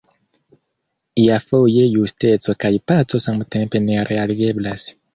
Iafoje justeco kaj paco samtempe ne realigeblas.